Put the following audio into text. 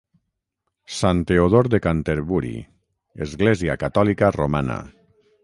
Sant Teodor de Canterbury, Església catòlica romana.